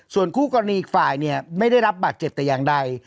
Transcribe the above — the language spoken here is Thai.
ส่วนคู่กรณีอีกฝ่ายเนี่ยไม่ได้รับบาดเจ็บแต่อย่างใด